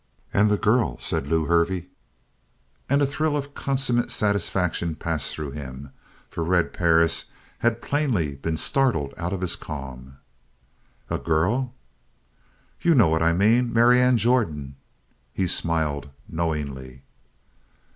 "And the girl?" said Lew Hervey. And a thrill of consummate satisfaction passed through him, for Red Perris had plainly been startled out of his calm. "A girl?" "You know what I mean. Marianne Jordan." He smiled knowingly.